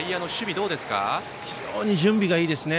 非常に準備がいいですね。